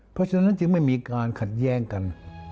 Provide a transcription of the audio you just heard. เพราะฉะนั้นจึงไม่มีการขัดแย้งกัน